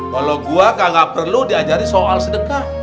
kalau gue gak perlu diajari soal sedekah